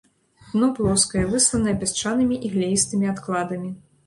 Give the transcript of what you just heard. Дно плоскае, высланае пясчанымі і глеістымі адкладамі.